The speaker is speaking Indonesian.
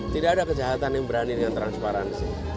tidak ada kejahatan yang berani dengan transparansi